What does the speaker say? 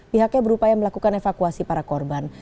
pihaknya berupaya melakukan evakuasi para korban